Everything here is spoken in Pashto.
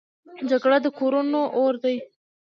جګړه د کورونو اور دی